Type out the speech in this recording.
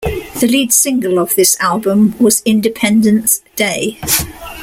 The lead single of this album was "Independent's Day".